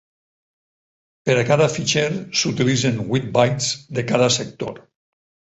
Per a cada fitxer s'utilitzen vuit bytes de cada sector.